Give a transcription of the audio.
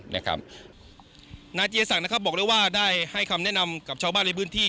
นายเจียสังบอกได้ให้คำแนะนำกับชาวบ้านในพื้นที่